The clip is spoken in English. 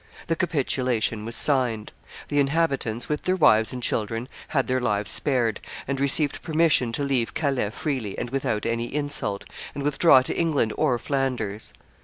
The capitulation was signed. The inhabitants, with their wives and children, had their lives spared, and received permission to leave Calais freely and without any insult, and withdraw to England or Flanders.